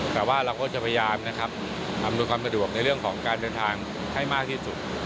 แต่ว่าเราก็จะพยายามนะครับอำนวยความสะดวกในเรื่องของการเดินทางให้มากที่สุด